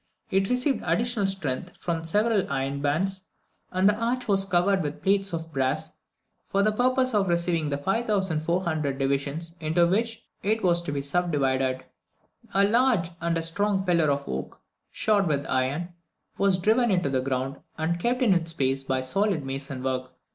It received additional strength from several iron bands, and the arch was covered with plates of brass, for the purpose of receiving the 5400 divisions into which it was to be subdivided. A large and strong pillar of oak, shod with iron, was driven into the ground, and kept in its place by solid mason work.